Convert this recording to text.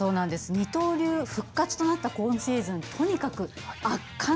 二刀流復活となった今シーズンとにかく圧巻でしたよね。